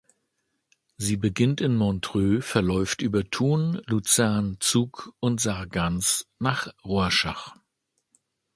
Sie beginnt in Montreux, verläuft über Thun, Luzern, Zug und Sargans nach Rorschach.